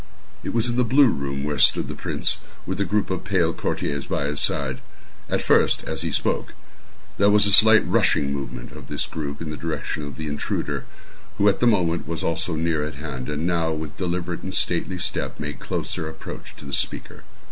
It was in the blue room where stood the prince, with a group of pale courtiers by his side. At first, as he spoke, there was a slight rushing movement of this group in the direction of the intruder, who at the moment was also near at hand, and now, with deliberate and stately step, made closer approach to the speaker.